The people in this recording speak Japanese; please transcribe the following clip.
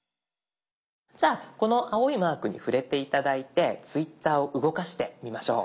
じゃあこの青いマークに触れて頂いてツイッターを動かしてみましょう。